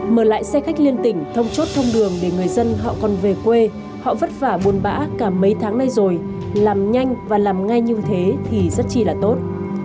mở lại xe khách liên tỉnh thông chốt thông đường để người dân họ còn về quê họ vất vả buôn bã cả mấy tháng nay rồi làm nhanh và làm ngay như thế thì rất chi là tốt